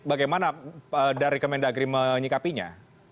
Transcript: bagaimana dari kemendagri menyikapinya